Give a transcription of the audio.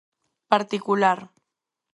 Particular.